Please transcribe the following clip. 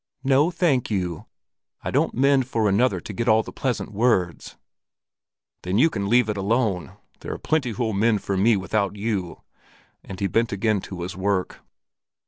"No, thank you! I don't mend for another to get all the pleasant words!" "Then you can leave it alone! There are plenty who'll mend for me without you!" And he bent again to his work.